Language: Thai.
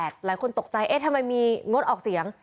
หลายคนตกใจเอ๊ะทำไมมีงดออกเสียง